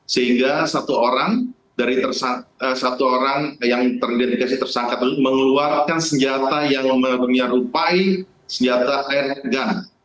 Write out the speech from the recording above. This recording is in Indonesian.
sehingga satu orang yang terdedikasi tersangkat mengeluarkan senjata yang merupai senjata air gun